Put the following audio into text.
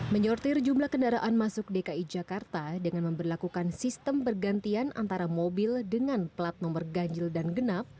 menyortir jumlah kendaraan masuk dki jakarta dengan memperlakukan sistem bergantian antara mobil dengan plat nomor ganjil dan genap